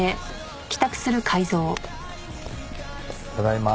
ただいま。